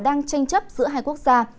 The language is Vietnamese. đang tranh chấp giữa hai quốc gia